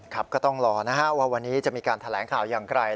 ครับก็ต้องรอนะฮะว่าวันนี้จะมีการแถลงข่าวอย่างไร